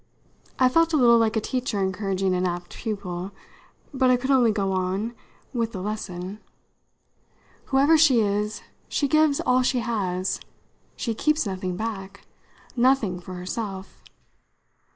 I felt a little like a teacher encouraging an apt pupil; but I could only go on with the lesson. "Whoever she is, she gives all she has. She keeps nothing back nothing for herself."